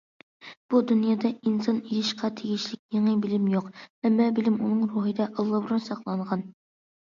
بۇ دۇنيادا ئىنسان ئېلىشقا تېگىشلىك يېڭى بىلىم يوق، ھەممە بىلىم ئۇنىڭ روھىدا ئاللىبۇرۇن ساقلانغان.